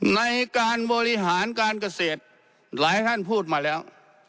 ในการบริหารการเกษตรหลายท่านพูดมาแล้ว